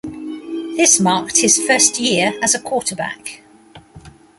This marked his first year as a quarterback.